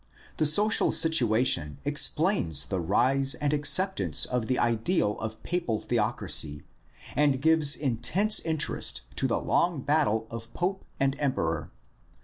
The social situation explains the rise and acceptance of the ideal of papal theocracy and gives intense interest to the long battle of pope and emperor.